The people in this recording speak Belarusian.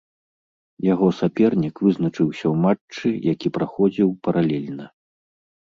Яго сапернік вызначаўся ў матчы, які праходзіў паралельна.